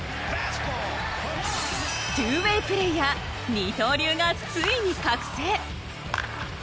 ツーウェイプレーヤー二刀流がついに覚醒。